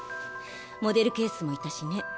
モデルケースもいたしね。